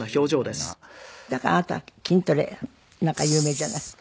だからあなた筋トレなんか有名じゃない？